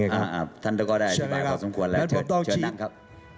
ท่านก็ได้อธิบายพอสมควรแล้วเชิญนั่งครับ